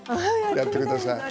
やってください。